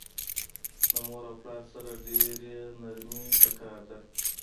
د مور او پلار سره ډیره نرمی پکار ده